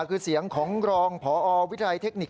คือเสียงของรองพอวิทยาลเทคนิค